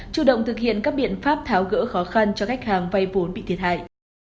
chủ động thực hiện các biện pháp tháo gỡ khó khăn cho khách hàng vay vốn bị thiệt hại